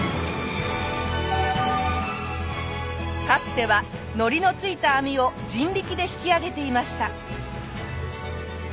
かつては海苔の付いた網を人力で引き揚げていました。